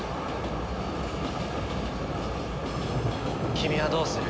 君はどうする？